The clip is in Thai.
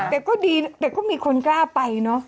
แต่ก็ดีแต่ก็มีคนกล้าไปเนอะ